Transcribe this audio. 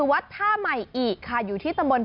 มันยังไม่ออกตอนนี้